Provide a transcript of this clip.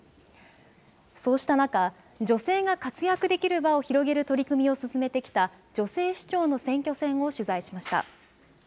そうした中、女性が活躍できる場を広げる取り組みを進めてきた女性市長の選挙戦を取材しました。